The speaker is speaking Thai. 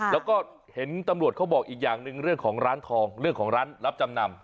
แล้วก็เห็นตำรวจเขาบอกอีกอย่างหนึ่งเรื่องของร้านทองเรื่องของร้านรับจำนำ